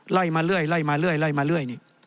ไล่มาเรื่อย